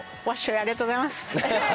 ありがとうございます。